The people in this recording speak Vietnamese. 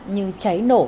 như cháy nổ